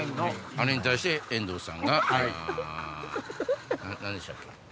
あれに対して遠藤さんが何でしたっけ？